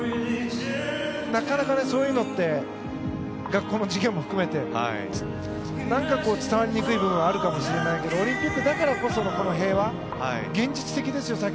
なかなかそういうのって学校の授業も含めてなんか、こう伝わりにくい部分があるかもしれないけどオリンピックだからこそのこの平和、現実的ですよ。